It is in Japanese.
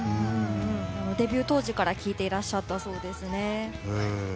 デビュー当時から聴いていらっしゃったそうです。